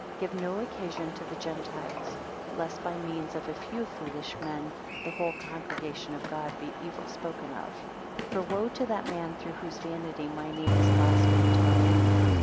Give no occasion to the Gentiles; lest by means of a few foolish men, the whole congregation of God be evil spoken of. 9 For woe to that man through whose vanity my name is blasphemed by any.